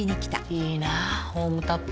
いいなホームタップ。